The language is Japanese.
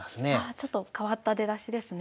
ちょっと変わった出だしですね。